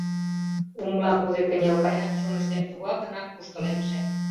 Умла кузе кынел кая, чоныштем тугакынак куштылемже.